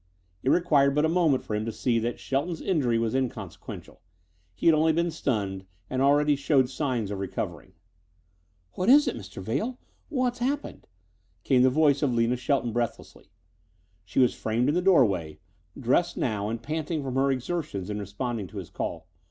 It required but a moment for him to see that Shelton's injury was inconsequential. He had only been stunned and already showed signs of recovering. "What is it, Mr. Vail? What's happened?" came the voice of Lina Shelton breathlessly. She was framed in the doorway, dressed now and panting from her exertions in responding to his call.